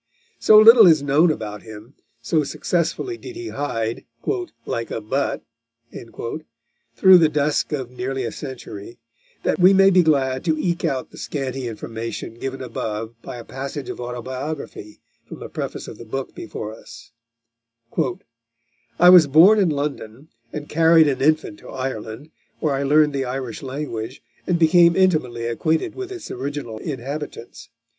So little is known about him, so successfully did he hide "like a but" through the dusk of nearly a century, that we may be glad to eke out the scanty information given above by a passage of autobiography from the preface of the book before us: "I was born in London, and carried an infant to Ireland, where I learned the Irish language, and became intimately acquainted with its original inhabitants.